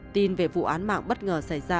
tin về vụ án mạng bất ngờ xảy ra